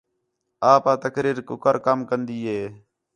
آپ آ تقریر کُکر کَم کن٘دی ہِے